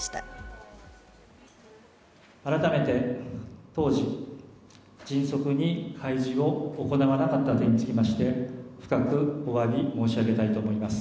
改めて、当時、迅速に開示を行わなかった点につきまして、深くおわび申し上げたいと思います。